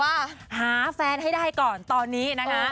ว่าหาแฟนให้ได้ก่อนตอนนี้นะคะ